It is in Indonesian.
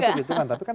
masuk gitu kan